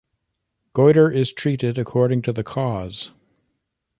Goitre is treated according to the cause.